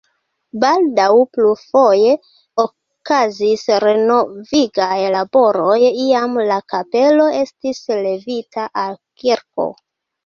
Baldaŭ plurfoje okazis renovigaj laboroj, iam la kapelo estis levita al kirko.